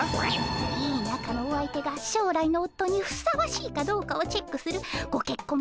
いいなかのお相手が将来のおっとにふさわしいかどうかをチェックするごけっこん